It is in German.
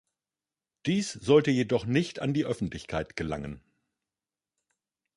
Dies sollte jedoch nicht an die Öffentlichkeit gelangen.